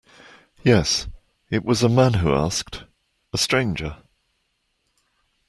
Yes, it was a man who asked, a stranger.